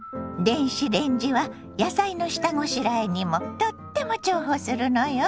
電子レンジは野菜の下ごしらえにもとっても重宝するのよ。